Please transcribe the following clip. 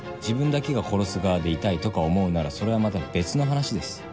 自分だけが殺す側でいたいとか思うならそれはまた別の話です。